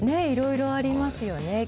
いろいろありますよね。